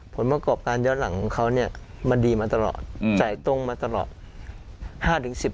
ผลประกอบการย้อนหลังของเขาเนี่ยมันดีมาตลอดจ่ายตรงมาตลอด